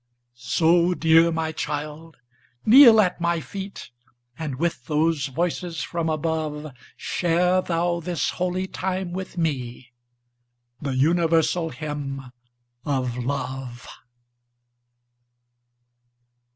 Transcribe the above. So, dear my child, kneel at my feet, And with those voices from above Share thou this holy time with me, The universal hymn of love.